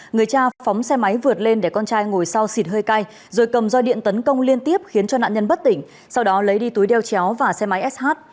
người cha phóng xe máy vượt lên để con trai ngồi sau xịt hơi cay rồi cầm roi điện tấn công liên tiếp khiến cho nạn nhân bất tỉnh sau đó lấy đi túi đeo chéo và xe máy sh